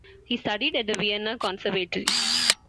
He studied at the Vienna Conservatory.